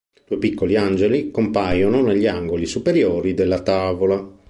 Due piccoli angeli compaiono negli angoli superiori della tavola.